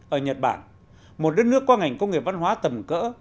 ở nhật bản một đất nước có ngành công nghiệp văn hóa tầm cỡ